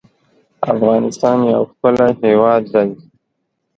افغانستان يو ښکلی هېواد دی